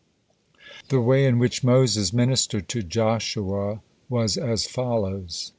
The way in which Moses ministered to Joshua was as follows.